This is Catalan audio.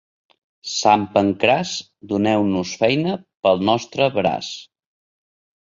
Sant Pancraç, doneu-nos feina pel nostre braç.